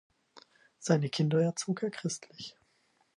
Seine Kinder erzog er christlich.